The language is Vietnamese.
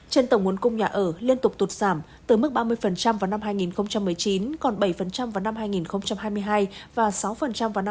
trên tổng nguồn cung nhà ở liên tục tụt giảm từ mức ba mươi vào năm hai nghìn một mươi chín còn bảy vào năm hai nghìn hai mươi hai và sáu vào năm hai nghìn hai mươi